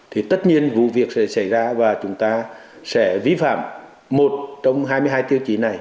thì tất nhiên vụ việc sẽ xảy ra và chúng ta sẽ vi phạm một trong hai mươi hai tiêu chí này